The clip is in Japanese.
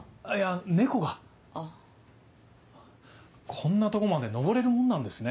こんなとこまで登れるもんなんですね。